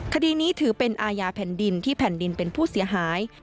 คดีนี้ถือเป็นอาญาแผ่นดินที่แผ่นดินเป็นผู้เสียหาย